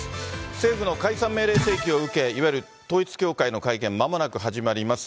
政府の解散命令請求を受け、いわゆる統一教会の会見、まもなく始まります。